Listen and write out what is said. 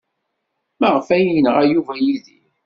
Maɣef ay yenɣa Yuba Yidir?